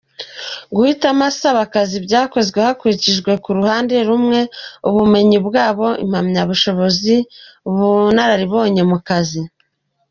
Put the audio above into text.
Guhitamo abasaba akazi byakozwe hakurikijwe ku ruhande rumwe, ubumenyi bwabo, impamyabushobozi, ubunararibonye mu kazi.